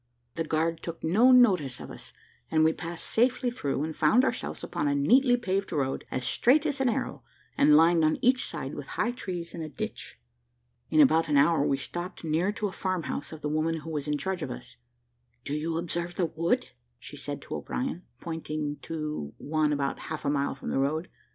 The guard took no notice of us, and we passed safely through, and found ourselves upon a neatly paved road, as straight as an arrow, and lined on each side with high trees and a ditch. In about an hour we stopped near to the farm house of the woman who was in charge of us. "Do you observe that wood?" said she to O'Brien, pointing to one about half a mile from the road.